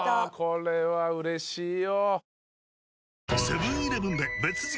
これはうれしいよ。